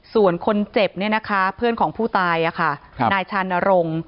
ส่วนคนเจ็บเพื่อนของผู้ตายนายชานรงค์